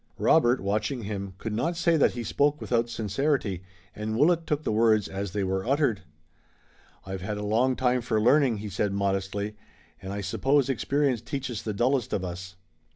Robert, watching him, could not say that he spoke without sincerity, and Willet took the words as they were uttered. "I've had a long time for learning," he said modestly, "and I suppose experience teaches the dullest of us."